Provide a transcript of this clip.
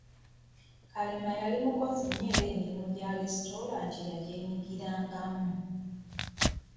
Kalema yali mukozi nnyo era ng'emirimu gya lesitulanta agyenyigiramu.